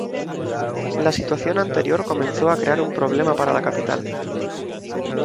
La situación anterior comenzó a crear un problema para la capital.